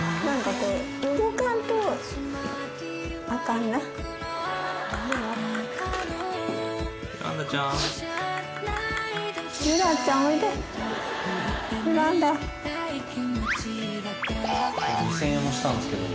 これ２，０００円もしたんですけど。